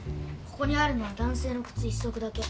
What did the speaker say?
ここにあるのは男性の靴一足だけ。